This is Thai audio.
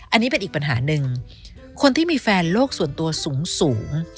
อันนี้เป็นอีกปัญหาหนึ่งคนที่มีแฟนโลกส่วนตัวสูง